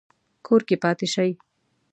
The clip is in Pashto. کور کې پاتې شئ